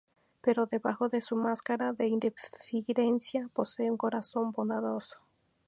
Pero debajo de su máscara de indiferencia, posee un corazón bondadoso.